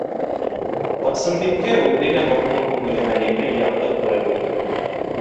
Барсынбикә үҙе лә моңһоу күңелле мәрйәне яҡын күреп өлгөрҙө.